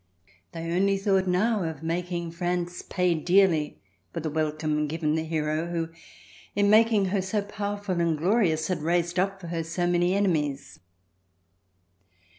They only thought now of making France pay dearly for the welcome given the hero who in making her so C404] THE FIRST RESTORATION powerful and glorious had raised uj) tor licr so many enemies.